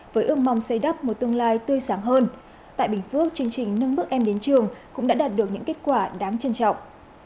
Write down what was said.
với ước mong xây đắp một tương lai tươi sáng hơn tại bình phước chương trình nâng bước em đến trường cũng đã đạt được những kết quả đáng trân trọng